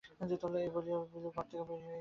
এই বলিয়া বিধু ঘর হইতে বাহির হইয়া গেলেন।